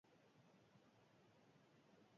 Lurra gorrixka da, eta batez ere, granitoz osatua da.